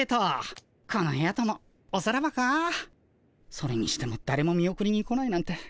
それにしてもだれも見送りに来ないなんて